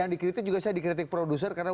yang dikritik juga saya dikritik produser karena